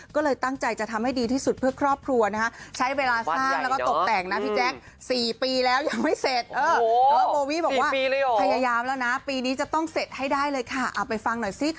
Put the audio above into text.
ก็เลยตั้งใจจะทำให้ดีที่สุดเพื่อครอบครัวนะคะ